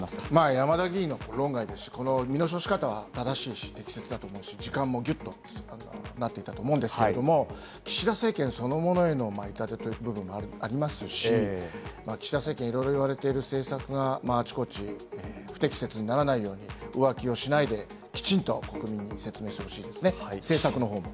山田議員、論外ですし、身の処し方は正しいし適切だと思うし、時間もギュッとなってたと思うんですけれども、岸田政権そのものへの痛手という部分もありますし、岸田政権いろいろ言われている政策があちこち不適切にならないように、浮気をしないで、きちんと国民に説明してほしいですね、政策の方も。